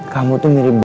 kamu tuh mirip